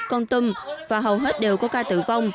con tâm và hầu hết đều có ca tử vong